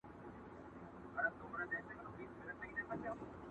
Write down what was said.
د زړه کور کي مي جانان په کاڼو ولي،